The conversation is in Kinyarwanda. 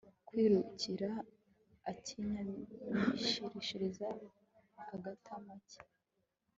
kwiruhukira akiryamishiriza agatama ke